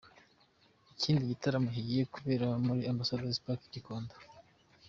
Ikindi gitaramo kigiye kubera muri Ambasadazi Pariki i Gikondo.